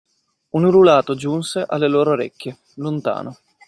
Un ululato giunse alle loro orecchie, lontano.